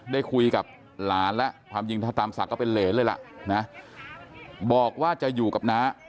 ได้คุยกับหลานและความจริงทางตามสักก็เป็นเหลนเลยแหละบอกว่าจะอยู่กับน้า